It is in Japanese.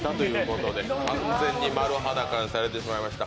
完全に丸裸にされてしまいました。